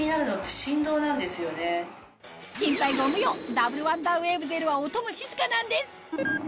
心配ご無用ダブルワンダーウェーブゼロは音も静かなんです